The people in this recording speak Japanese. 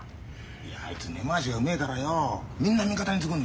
いやあいつ根回しがうめえからよみんな味方につくんだよ。